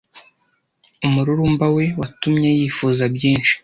umururumba we watumye yifuza byinshi.